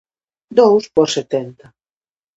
Dous por setenta.